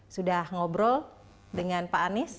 sudah ngobrol dengan pak anies